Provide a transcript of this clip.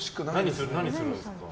何するんですか？